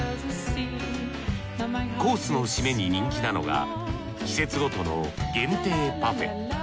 コースの締めに人気なのが季節ごとの限定パフェ。